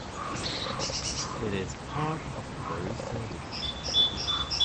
It is a part of the Barisal Division.